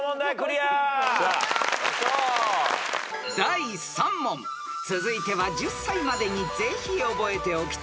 ［第３問続いては１０才までにぜひ覚えておきたい